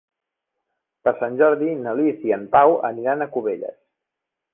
Per Sant Jordi na Lis i en Pau aniran a Cubelles.